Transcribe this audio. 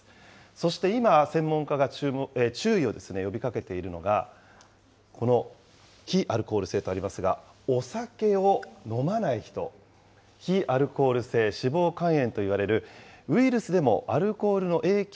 そして今、専門家が注意を呼びかけているのが、この非アルコール性とありますが、お酒を飲まない人、非アルコール性脂肪肝炎といわれるウイルスでもアルコールの影響